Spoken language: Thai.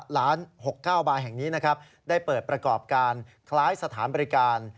๖๙บาร์แห่งนี้นะครับได้เปิดประกอบการคล้ายสถานบริการ